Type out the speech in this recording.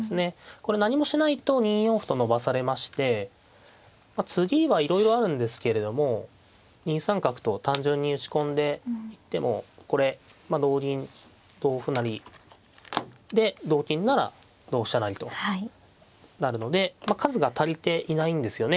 これ何もしないと２四歩と伸ばされまして次はいろいろあるんですけれども２三角と単純に打ち込んでいってもこれ同銀同歩成で同金なら同飛車成と成るので数が足りていないんですよね。